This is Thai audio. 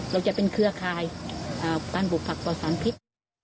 จะเป็นเครือข่ายการปลูกผักปลอดสารพิษ